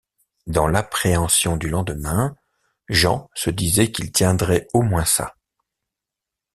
Dans l’appréhension du lendemain, Jean se disait qu’il tiendrait au moins ça.